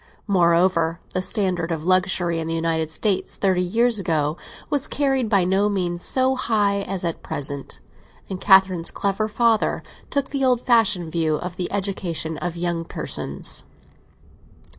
Moreover, the standard of luxury in the United States thirty years ago was carried by no means so high as at present, and Catherine's clever father took the old fashioned view of the education of young persons.